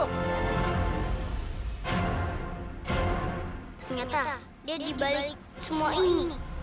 ternyata dia dibalik semua ini nih